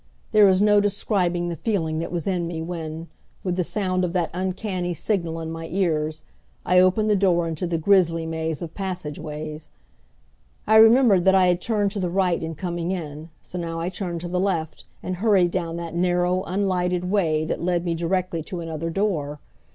There is no describing the feeling that was in me when, with the sound of that uncanny signal in my ears, I opened the door into the grizzly maze of passageways. I remembered that I had turned to the right in coming in, so now I turned to the left, and hurried down that narrow, unlighted way that led me directly to another door.